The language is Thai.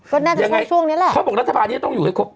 ก็น่าจะใช้ช่วงนี้แหละเขาบอกรัฐบาลนี้จะต้องอยู่ให้ครบ